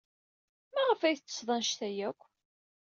Maɣef ay tettesseḍ anect-a akk?